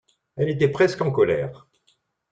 Elle était presque en colère.